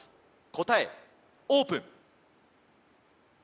答えオープン！